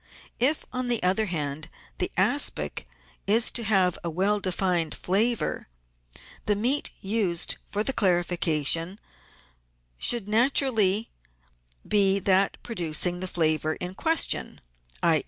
If, on the other hand, the aspic is to have a well defined flavour, the meat used for the clarification should naturally be that producing the flavour in question, i.